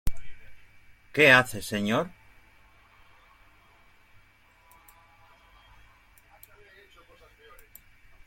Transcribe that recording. ¿ qué hace, señor?